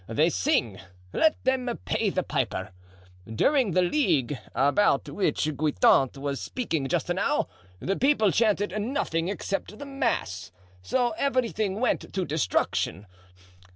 They sing—let them pay the piper. During the Ligue, about which Guitant was speaking just now, the people chanted nothing except the mass, so everything went to destruction.